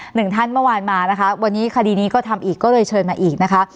หนึ่งท่านเมื่อวานมานะคะวันนี้คดีนี้ก็ทำอีกก็เลยเชิญมาอีกนะคะ